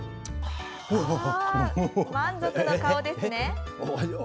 満足の顔ですね。